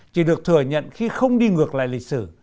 chỉ được thừa nhận khi không đi ngược lại lịch sử